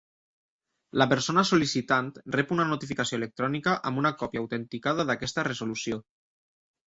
La persona sol·licitant rep una notificació electrònica amb una còpia autenticada d'aquesta resolució.